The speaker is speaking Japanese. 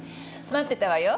待ってたわよ。